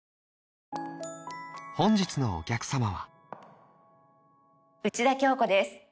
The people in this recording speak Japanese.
本日のお客さまは内田恭子です。